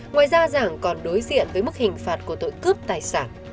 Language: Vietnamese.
ngoài ra giảng còn đối diện với mức hình phạt của tội cướp tài sản